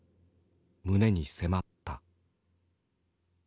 胸に迫った。